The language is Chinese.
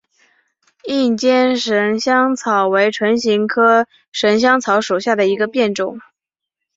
硬尖神香草为唇形科神香草属下的一个变种。